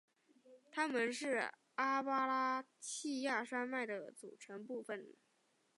它们是阿巴拉契亚山脉的组成部分。